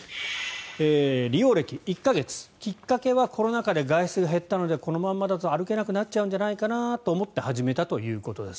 利用歴１か月きっかけはコロナ禍で外出が減ったのでこのままだと歩けなくなっちゃうんじゃないかなと思って始めたそうです。